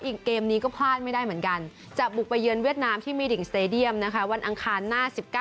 อีกเกมนี้ก็ผ่านไม่ได้เหมือนกัน